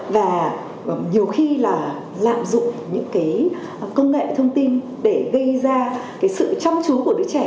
và nhiều khi là lạm dụng những cái công nghệ thông tin để gây ra cái sự chăm chú của đứa trẻ